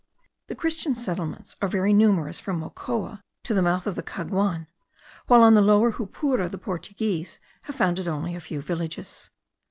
The Christian settlements are very numerous from Mocoa to the mouth of the Caguan; while on the Lower Jupura the Portuguese have founded only a few villages.